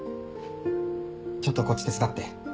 ちょっとこっち手伝って。